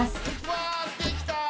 わあできた！